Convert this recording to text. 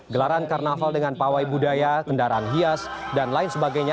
gelaran karnaval dengan pawai budaya kendaraan hias dan lain sebagainya